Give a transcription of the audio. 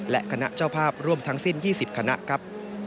และคณะเจ้าภาพร่วมทั้งสิ้น๒๐คณะครับ